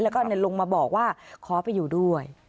แล้วก็ลงมาบอกว่าขอไปอยู่ด้วย